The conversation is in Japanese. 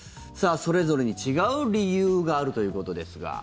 それぞれに違う理由があるということですが。